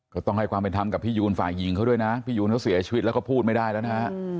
ก็ต้องให้ความเป็นธรรมกับพี่ยูนฝ่ายหญิงเขาด้วยนะพี่ยูนเขาเสียชีวิตแล้วก็พูดไม่ได้แล้วนะฮะ